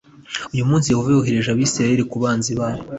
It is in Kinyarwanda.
uyu munsi Yehova yahoreye abisiraheri ku banzi babo